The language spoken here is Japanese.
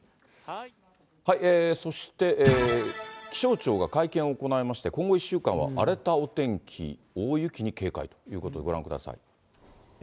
そして、気象庁が会見を行いまして、今後１週間は荒れたお天気、大雪に警戒ということで、ご覧ください。